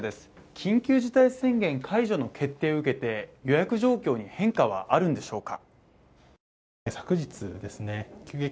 緊急事態宣言解除の決定を受けて予約状況に変化はあるんでしょうか？